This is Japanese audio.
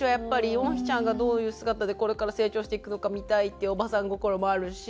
ウォンヒちゃんがどういう姿でこれから成長していくのか見たいっておばさん心もあるし。